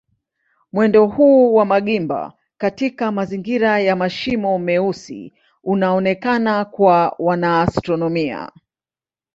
Mwendo huu wa magimba katika mazingira ya mashimo meusi unaonekana kwa wanaastronomia.